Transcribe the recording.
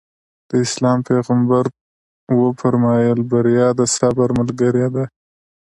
د اسلام پيغمبر ص وفرمايل بريا د صبر ملګرې ده.